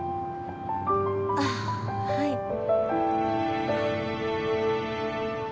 あっはい。